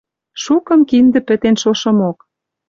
Шукын киндӹ пӹтен шошымок.